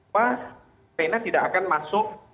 bahwa china tidak akan masuk